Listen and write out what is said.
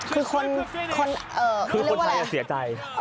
คือคนคือคนไทยเศียร์ใจ